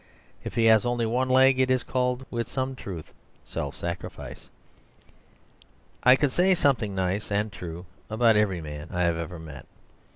If he has only one leg, it is called (with some truth) self sacrifice. I could say something nice (and true) about every man I have ever met.